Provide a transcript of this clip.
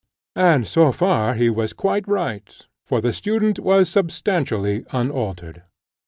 And so far he was quite right, for the student was substantially unaltered.